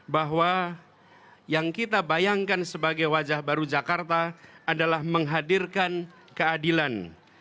bahwa yang kita bayangkan sebagai wajah baru jakarta adalah menghadirkan keadilan